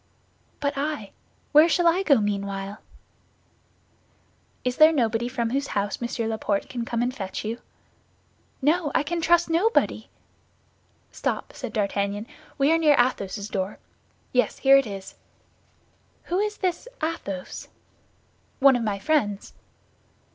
"But I—where shall I go meanwhile?" "Is there nobody from whose house Monsieur Laporte can come and fetch you?" "No, I can trust nobody." "Stop," said D'Artagnan; "we are near Athos's door. Yes, here it is." "Who is this Athos?" "One of my friends."